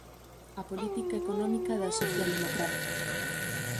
A política económica da socialdemocracia.